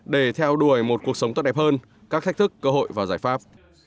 để theo đuổi một cuộc sống tốt đẹp hơn các thách thức cơ hội và giải pháp